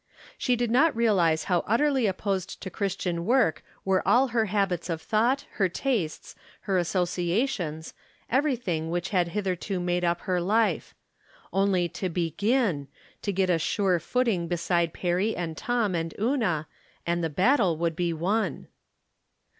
She did not realize how utterly opposed to Christian work were all her habits of thought, her tastes, her associations, everything which had hitherto made up her life. Only to hegin — to get a sure footing beside Perry and Tom and Una, and the battle would be won.